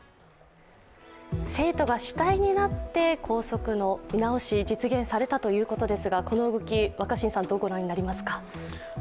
生徒が主体なって校則の見直しが実現されたということですが、この動き、どうご覧になりますか？